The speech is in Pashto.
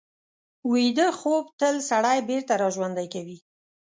ویده خوب تل سړی بېرته راژوندي کوي